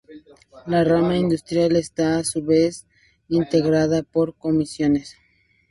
La rama Industrial está a su vez integrada por comisiones.